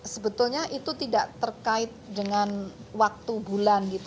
sebetulnya itu tidak terkait dengan waktu bulan gitu